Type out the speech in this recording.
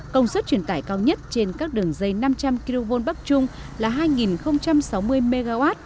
công suất truyền tải cao nhất trên các đường dây năm trăm linh kv bắc trung là hai sáu mươi mw